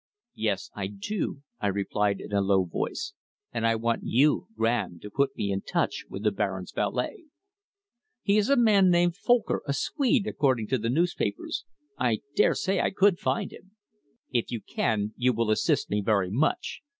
"Yes, I do," I replied in a low voice, "and I want you, Graham, to put me in touch with the Baron's valet." "He is a man named Folcker, a Swede, according to the newspapers. I dare say I could find him." "If you can, you will assist me very much.